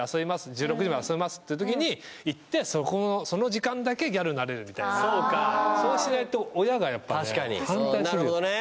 １６時まで遊びますってときに行ってその時間だけギャルになれるみたいなそうしないと親がやっぱね反対するよ